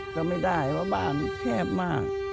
ก็ไม่ได้เพราะบ้านแคบมาก